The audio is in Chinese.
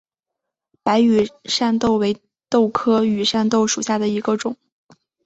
白羽扇豆为豆科羽扇豆属下的一个种。